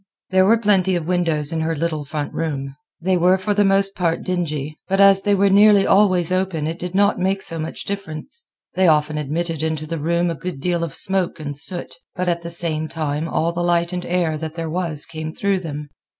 There were plenty of windows in her little front room. They were for the most part dingy, but as they were nearly always open it did not make so much difference. They often admitted into the room a good deal of smoke and soot; but at the same time all the light and air that there was came through them.